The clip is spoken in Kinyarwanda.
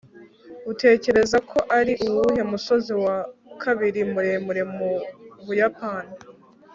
utekereza ko ari uwuhe musozi wa kabiri muremure mu buyapani